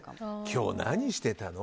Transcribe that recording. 今日何してたの？